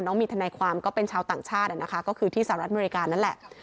มีทนายความก็เป็นชาวต่างชาตินะคะก็คือที่สหรัฐอเมริกานั่นแหละ